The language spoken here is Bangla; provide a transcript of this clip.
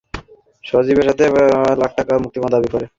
তারা সজীবের পরিবারের কাছ থেকে দুই লাখ টাকা মুক্তিপণ দাবি করে।